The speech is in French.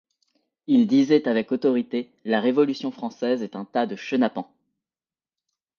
Il disait avec autorité: La révolution française est un tas de chenapans.